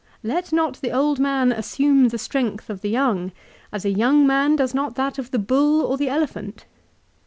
" Let not the old man assume the strength of the young, as a young man does not that of the bull or the elephant."